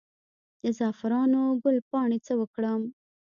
د زعفرانو ګل پاڼې څه وکړم؟